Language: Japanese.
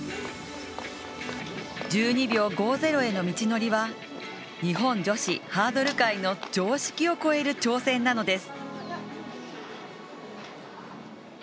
１２秒５０への道のりは、日本女子ハードル界の常識を越える挑戦なのです。